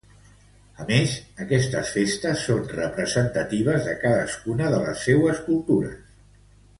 A més, aquestes festes són representatives de cadascuna de les seues cultures.